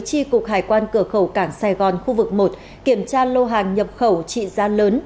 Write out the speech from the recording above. tri cục hải quan cửa khẩu cảng sài gòn khu vực một kiểm tra lô hàng nhập khẩu trị giá lớn